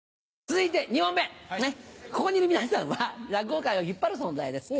続いて２問目ここにいる皆さんは落語界を引っ張る存在です。